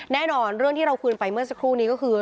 แน่นอนเรื่องที่เราคุยไปเมื่อสักครู่นี้ก็คือ